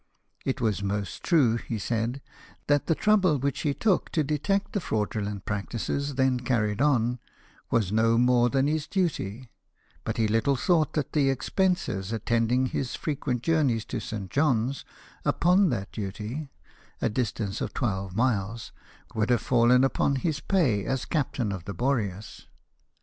"It was most true," he said, "that the trouble which he took to detect the fraudulent practices then carried on, was no more than his duty ; but he little thought that the expenses attending his frequent journeys to St. John's, upon that duty (a distance of twelve miles), would have fallen upon his pay as captain of the Boreas.'"